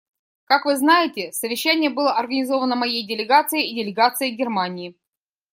Как вы знаете, совещание было организовано моей делегацией и делегацией Германии.